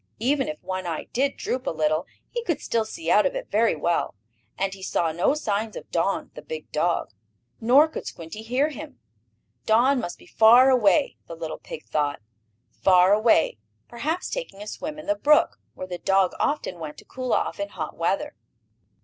Even if one eye did droop a little, he could still see out of it very well, and he saw no signs of Don, the big dog. Nor could Squinty hear him. Don must be far away, the little pig thought, far away, perhaps taking a swim in the brook, where the dog often went to cool off in hot weather.